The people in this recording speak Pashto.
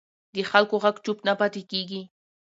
د خلکو غږ چوپ نه پاتې کېږي